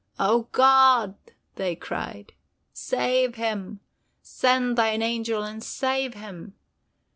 "O God!" they cried, "save him! Send Thine angel and save him!